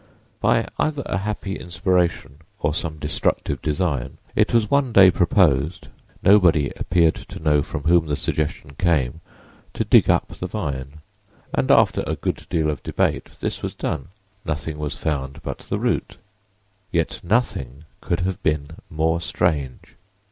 By either a happy inspiration or some destructive design, it was one day proposed—nobody appeared to know from whom the suggestion came—to dig up the vine, and after a good deal of debate this was done. Nothing was found but the root, yet nothing could have been more strange!